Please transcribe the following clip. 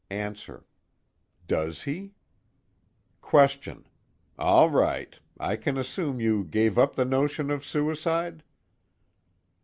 ANSWER: Does he? QUESTION: All right. I can assume you gave up the notion of suicide?